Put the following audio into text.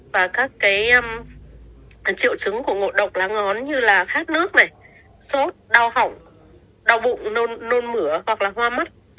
và các triệu chứng của một độc lá ngón như là khát nước sốt đau hỏng đau bụng nôn mửa hoặc là hoa mất